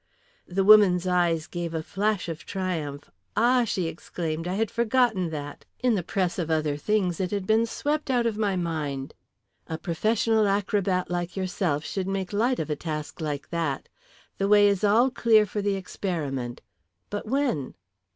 The woman's eyes gave a flash of triumph. "Ah!" she exclaimed. "I had forgotten that. In the press of other things it had been swept out of my mind. A professional acrobat like yourself should make light of a task like that. The way is all clear for the experiment. But when?"